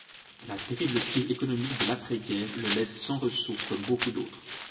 La terrible crise économique de l’après-guerre le laisse sans ressources comme beaucoup d’autres.